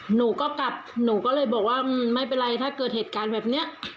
หนูก็กลับหนูก็เลยบอกว่าไม่เป็นไรถ้าเกิดเหตุการณ์แบบนี้